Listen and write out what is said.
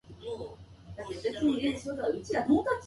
マグロよりサーモンが好きです。